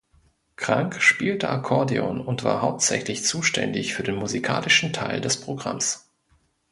Krank spielte Akkordeon und war hauptsächlich zuständig für den musikalischen Teil des Programms.